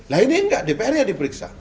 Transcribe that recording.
lah ini nggak dpr nya yang diperiksa